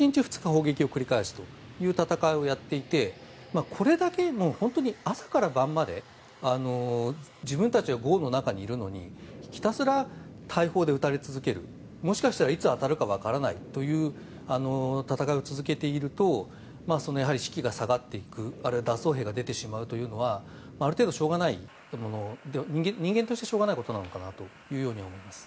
砲撃を繰り返すということをやっていてこれだけの朝から晩まで自分たちは壕の中にいるのにひたすら大砲で撃たれ続けるもしかしたらいつ当たるかわからないという戦いを続けていると士気が下がっていくあるいは脱走兵が出てしまうというのはある程度しょうがないもの人間としてしょうがないことなのかなと思います。